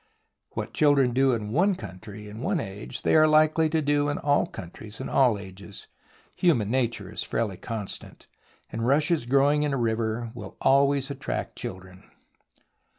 What children do in one country in one age they are likely to do in all countries in all ages. Human nature is fairly constant, and rushes growing in a liver wiU always attract children.